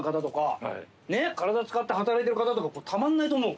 体使って働いてる方とかたまんないと思う。